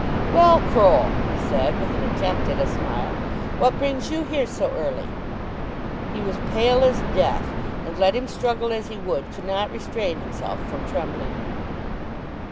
"Well, Croll," he said with an attempt at a smile, "what brings you here so early?" He was pale as death, and let him struggle as he would, could not restrain himself from trembling.